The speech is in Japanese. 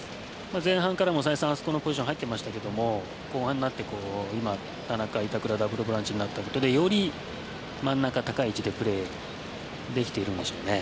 前半からも再三あそこのポジションに入ってましたが後半になって田中、板倉がダブルボランチになったことでより真ん中、高い位置でプレーできているんでしょうね。